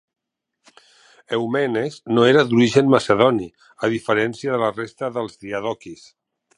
Eumenes no era d'origen macedoni, a diferència de la resta dels diadoquis.